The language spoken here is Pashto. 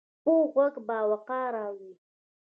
پوخ غږ باوقاره وي